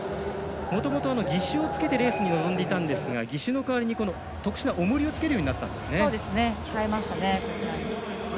もともと義手をつけてレースに臨んでいたんですが義手の代わりの特殊なおもりを変えましたね。